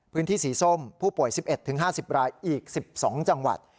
พื้นที่สีส้มผู้ป่วย๑๑๕๐รายอีก๑๒จังหวัด